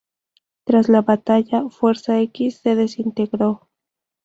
Tras la batalla, Fuerza-X se desintegró.